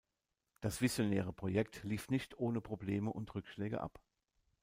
Das visionäre Projekt lief nicht ohne Probleme und Rückschläge ab.